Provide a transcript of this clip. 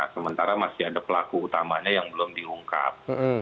sementara masih ada pelaku utamanya yang belum diungkap